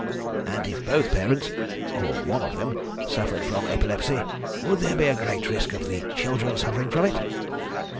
"And if both parents, or one of them, suffered from epilepsy, would there be a great risk of the children suffering from it?"